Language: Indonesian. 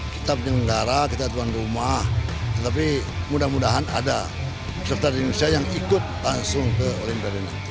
kita punya negara kita punya rumah tetapi mudah mudahan ada peserta dari indonesia yang ikut langsung ke olimpiade ini